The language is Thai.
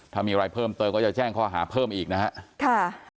ถ้ามีอะไรเพิ่มเติมก็จะแจ้งข้อหาเพิ่มอีกนะครับ